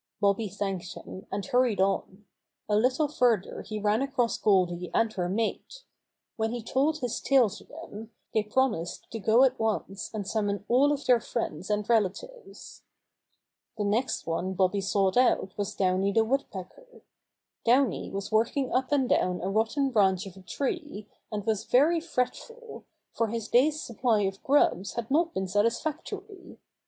Bobby thanked him, and hurried on. A lit tle further he ran across Goldy and her mate. When he told his tale to them, they promised to go at once and summon all of their friends and relatives. The next one Bobby sought out was Downy the Woodpecker. Downy was working up and down a rotten branch of a tree, and was very fretful, for his day's supply of grubs had not been satisfactory.